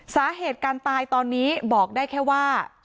สาเหตุการตายตอนนี้บอกได้แค่ว่า